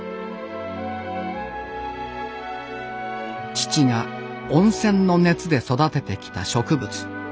父が温泉の熱で育ててきた植物。